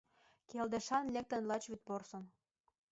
Келдешан лектын лач вӱдпорсын.